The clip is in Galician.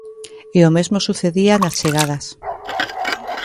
E o mesmo sucedía nas chegadas.